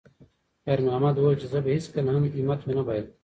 خیر محمد وویل چې زه به هیڅکله هم همت ونه بایللم.